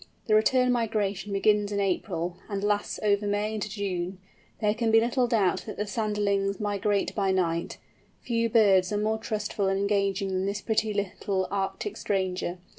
The return migration begins in April, and lasts over May into June. There can be little doubt that the Sanderling migrates by night. Few birds are more trustful and engaging than this pretty little Arctic stranger.